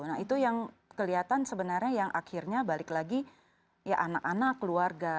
nah itu yang kelihatan sebenarnya yang akhirnya balik lagi ya anak anak keluarga